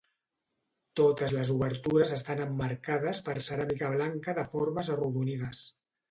Totes les obertures estan emmarcades per ceràmica blanca de formes arrodonides.